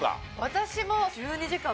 私も。